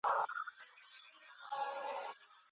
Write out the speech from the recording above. هوښيارانو د جبري نکاح ضررونه وسنجول.